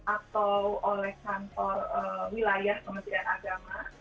atau oleh kantor wilayah kementerian agama